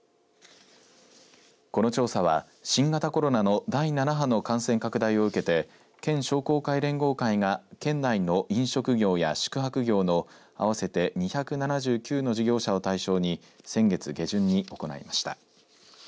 この調査は、新型コロナの第７波の感染拡大を受けて県商工会連合会が県内の飲食業や宿泊業の合わせて２７９の事業者を対象に先月下旬に行いました。